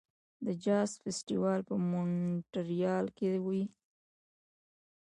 د جاز فستیوال په مونټریال کې وي.